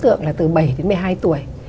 tượng là từ bảy đến một mươi hai tuổi